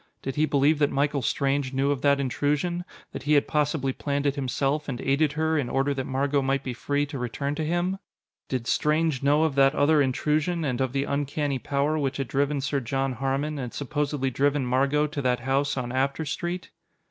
Did he believe that Michael Strange knew of that intrusion that he had possibly planned it himself, and aided her, in order that Margot might be free to return to him? Did Strange know of that other intrusion, and of the uncanny power which had driven Sir John Harmon, and supposedly driven Margot to that house on After Street?